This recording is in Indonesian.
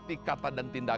ketika kita memiliki kesatuan